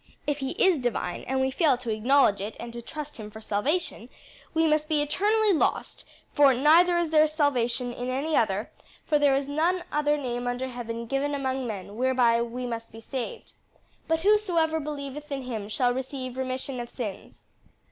If he is divine, and we fail to acknowledge it and to trust in him for salvation, we must be eternally lost for 'neither is there salvation in any other; for there is none other name under heaven given among men, whereby we must be saved.' 'But whosoever believeth in him shall receive remission of sins.'"